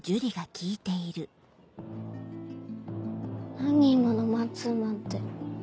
何今の「マンツーマン」って。